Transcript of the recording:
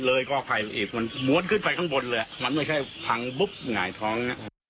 เลยเล้วกรณเว่ยขอไปข้างบนเลยมันไม่ใช่ปังบุ๊บหงายท้อง